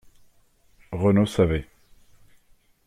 —«Renaud savait.